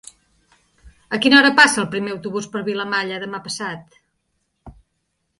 A quina hora passa el primer autobús per Vilamalla demà passat?